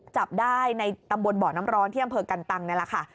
จับได้ในตำบลบ่อน้ำร้อนที่อำเภอกันตังนี่แหละค่ะ